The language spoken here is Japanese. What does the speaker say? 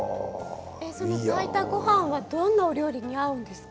炊いたごはんはどんなお料理に合うんですか？